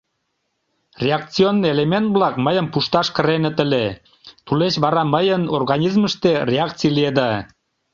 Реакционный элемент-влак мыйым пушташ кыреныт ыле, тулеч вара мыйын организмыште реакций лиеда...